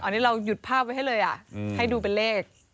อันนี้เราหยุดภาพไว้ให้เลยให้ดูเป็นเลข